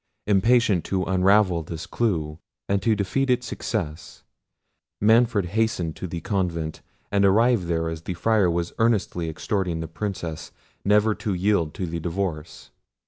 Impatient to unravel this clue, and to defeat its success, Manfred hastened to the convent, and arrived there as the Friar was earnestly exhorting the Princess never to yield to the divorce.